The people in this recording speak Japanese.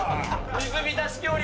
水浸し恐竜。